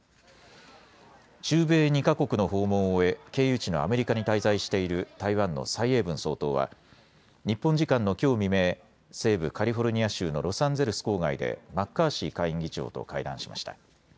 中米２か国の訪問を終え経由地のアメリカに滞在している台湾の蔡英文総統は日本時間のきょう未明、西部カリフォルニア州のロサンゼルス郊外でマッカーシー下院議長と会談しました。